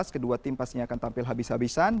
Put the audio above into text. kedua tim pastinya akan tampil habis habisan